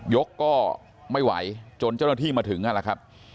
ยกก็ไม่ไหวจนเจ้าหน้าที่มาถึงนั่นแหละครับ